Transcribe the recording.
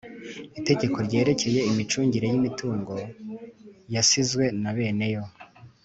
Itegeko ryerekeye imicungire y imitungo yasizwe na bene yo